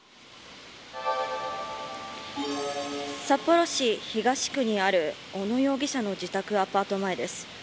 札幌市東区にある小野容疑者の自宅アパート前です。